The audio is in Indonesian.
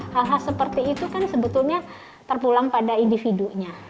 hal hal seperti itu kan sebetulnya terpulang pada individunya